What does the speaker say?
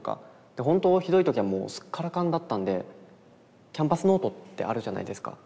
ほんとひどい時はもうスッカラカンだったんでキャンパスノートってあるじゃないですか。